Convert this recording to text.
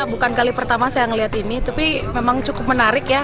bukan kali pertama saya melihat ini tapi memang cukup menarik ya